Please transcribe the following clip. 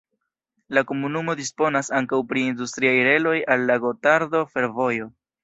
La komunumo disponas ankaŭ pri industriaj reloj al la Gotardo-Fervojo.